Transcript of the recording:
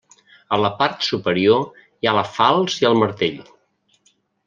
A la part superior hi ha la falç i el martell.